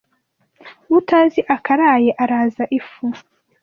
Utazi akaraye araza ifu